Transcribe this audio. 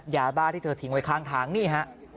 ยาบ้าที่เธอทิ้งไว้ข้างทางนี่ฮะ